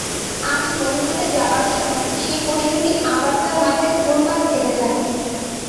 আজ মদীনাতে যাবার সময় সেই প্রশ্নটি আবার তার মাথায় ঘুরপাক খেতে থাকে।